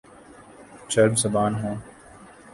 چرب زبان ہوں